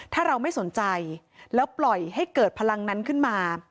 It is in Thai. ถ้าเราไม่สนใจแล้วปล่อยให้เกิดพลังนั้นขึ้นมา